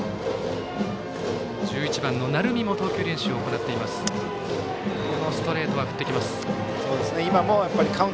１１番、鳴海も投球練習を行っています。